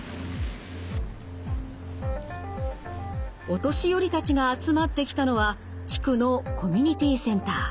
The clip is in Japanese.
お年寄りたちが集まってきたのは地区のコミュニティーセンター。